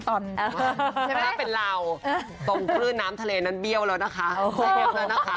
ใช่ไหมเป็นเราตรงคลื่นน้ำทะเลนั้นเบี้ยวแล้วนะคะ